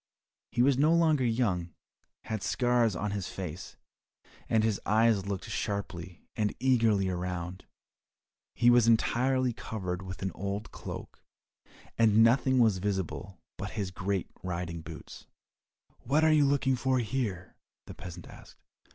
He was no longer young, had scars on his face, and his eyes looked sharply and eagerly around. He was entirely covered with an old cloak, and nothing was visible but his great riding boots. "What are you looking for here?" the peasant asked.